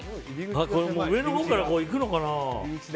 上のほうからいくのかな。